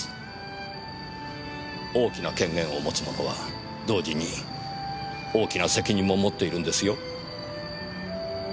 大きな権限を持つ者は同時に大きな責任も持っているんですよ。